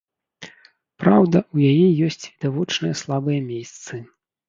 Праўда, у яе ёсць відавочныя слабыя месцы.